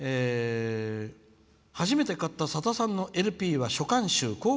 初めて買った、さださんのＬＰは「書簡集」